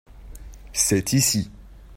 c'est ici.